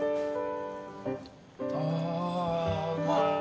あうまい。